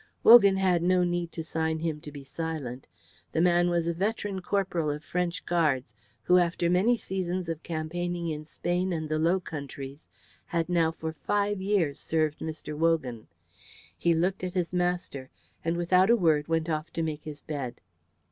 Wogan had no need to sign to him to be silent. The man was a veteran corporal of French Guards who after many seasons of campaigning in Spain and the Low Countries had now for five years served Mr. Wogan. He looked at his master and without a word went off to make his bed.